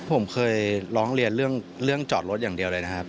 ผมเคยร้องเรียนเรื่องจอดรถอย่างเดียวเลยนะครับ